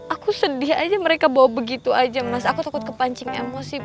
aku sedih aja mereka bawa begitu aja mas aku takut kepancing emosi